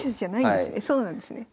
そうなんですね。